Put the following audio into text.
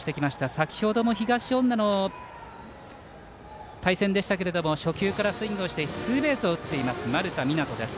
先ほど東恩納の対戦でしたけど初球からスイングをしてツーベースを打っています丸田湊斗です。